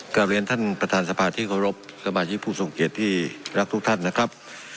กลับเรียนท่านประธานสภาที่เคารพสมาชิกผู้ทรงเกียจที่รักทุกท่านนะครับ